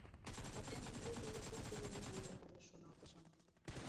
Ватемын вуйжо йӧршеш пӧръеҥ вуй гай коеш!» — шоналтышым.